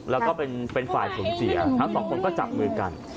และเป็นฝ่ายถึงเสียทั้ง๒คนก็จับมือกัน